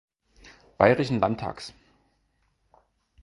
Bayerischen Landtags.